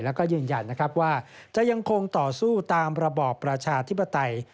แล้วก็ยืนยันนะครับว่าจะยังคงต่อสู้ตามระบอบประชาธิปไตย